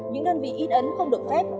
những đơn vị ít ấn không được phép